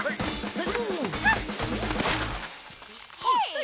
はい！